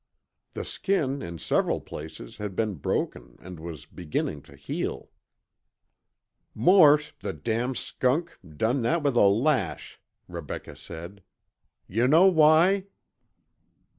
The skin in several places had been broken and was beginning to heal. "Mort, the damn skunk, done that with a lash," Rebecca said. "You know why?"